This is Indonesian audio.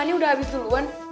abah udah habis duluan